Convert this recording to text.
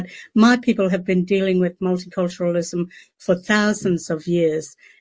tapi orang orang saya telah menghadapi multikulturalisme selama berusia berusia berusia